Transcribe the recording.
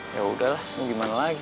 yaudah lah gimana lagi